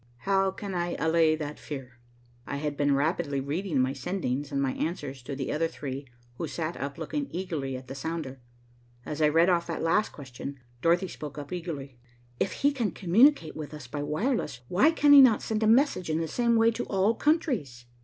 "How can I allay that fear?" I had been rapidly reading my sendings and my answers to the other three who sat looking eagerly at the sounder. As I read off that last question, Dorothy spoke up eagerly. "If he can communicate with us by wireless, why can he not send a message in the same way to all countries?"